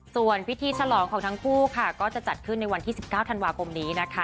ส่วนพิธีฉลองของทั้งคู่ค่ะก็จะจัดขึ้นในวันที่๑๙ธันวาคมนี้นะคะ